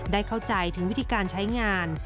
เข้าใจถึงวิธีการใช้งาน